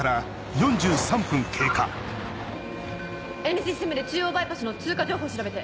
Ｎシステムで中央バイパスの通過情報調べて。